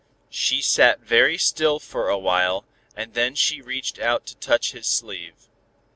She sat very still for a while, and then she reached out to touch his sleeve.